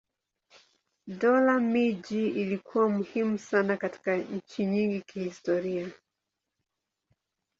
Dola miji ilikuwa muhimu sana katika nchi nyingi kihistoria.